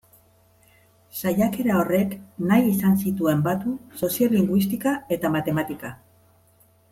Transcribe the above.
Saiakera horrek nahi izan zituen batu soziolinguistika eta matematika.